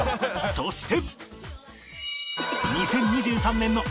そして